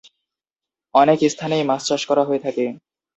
অনেক স্থানেই মাছ চাষ করা হয়ে থাকে।